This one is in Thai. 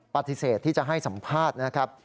ปฏิเสธที่จะให้สัมภาษณ์นะครับ